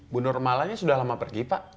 bu nurmalanya sudah lama pergi pak